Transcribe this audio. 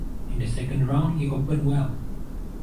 In the second round he opened well.